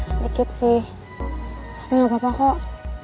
sedikit sih karena gak apa apa kok